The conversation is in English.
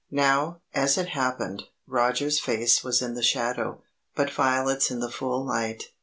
Now, as it happened, Roger's face was in the shadow, but Violet's in the full light.